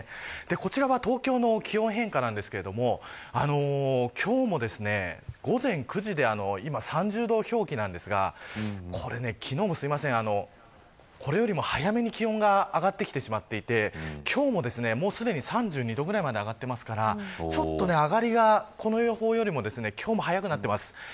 こちらは東京の気温変化ですが今日も午前９時で今、３０度の表記ですが昨日も、これよりも早めに気温が上がってきてしまっていて今日も、すでに３２度ぐらいまで上がっていますから上がりがこの予報よりも今日も早くなっています。